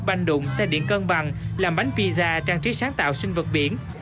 banh đụng xe điện cân bằng làm bánh pizza trang trí sáng tạo sinh vật biển